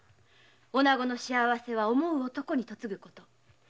女の幸せは想う男に嫁ぐこと。